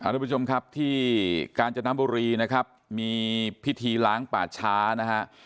ทุกผู้ชมครับที่กาญจนบุรีนะครับมีพิธีล้างป่าช้านะฮะ